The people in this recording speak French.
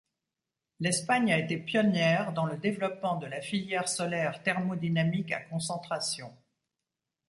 L'Espagne a été pionnière dans le développement de la filière solaire thermodynamique à concentration.